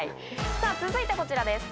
さぁ続いてこちらです。